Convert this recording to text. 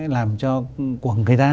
làm cho quần người ta